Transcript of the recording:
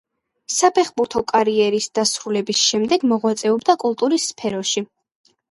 საფეხბურთო კარიერის დასრულების შემდეგ მოღვაწეობდა კულტურის სფეროში.